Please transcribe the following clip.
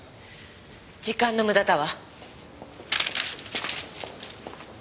時間の無駄だわ。